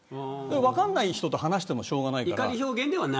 分かんない人と話してもしょうがないから。